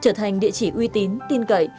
trở thành địa chỉ uy tín tin cậy